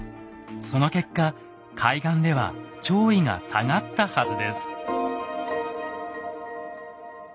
その結果海岸では潮位が下がったはずです。